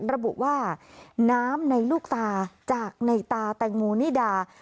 ระบุว่าน้ำในลูกตาจากในตาแตงโมนิดา